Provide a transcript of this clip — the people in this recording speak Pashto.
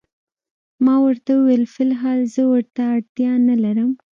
ما ورته وویل: فی الحال زه ورته اړتیا نه لرم.